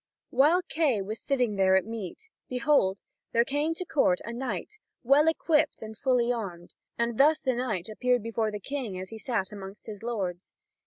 While Kay was sitting there at meat, behold there came to court a knight, well equipped and fully armed, and thus the knight appeared before the King as he sat among his lords.